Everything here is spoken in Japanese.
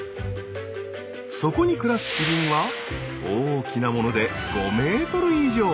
そこに暮らすキリンは大きなもので５ｍ以上。